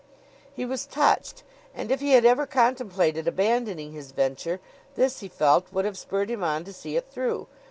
He was touched; and if he had ever contemplated abandoning his venture, this, he felt, would have spurred him on to see it through.